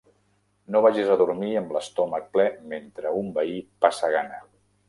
No vagis a dormir amb l'estómac ple mentre un veí passa gana.